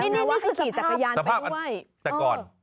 นี่นี่คือสภาพสภาพแต่ก่อน